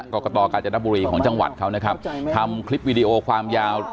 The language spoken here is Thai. กรกตกาญจนบุรีของจังหวัดเขานะครับทำคลิปวิดีโอความยาว